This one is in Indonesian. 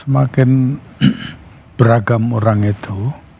semakin beragam orang itu